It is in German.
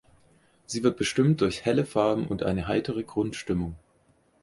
Sie wird bestimmt durch helle Farben und eine heitere Grundstimmung.